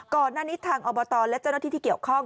ก่อนหน้านี้ทางอบตและเจ้าหน้าที่ที่เกี่ยวข้อง